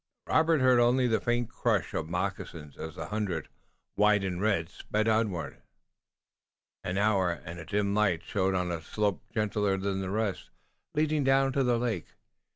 Robert heard only the faint crush of moccasins as the hundred, white and red, sped onward. An hour, and a dim light showed on a slope gentler than the rest, leading down to the lake.